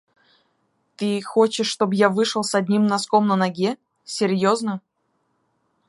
Ты хочешь, чтобы я вышел с одним носком на ноге? Серьёзно?